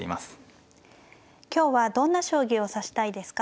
今日はどんな将棋を指したいですか。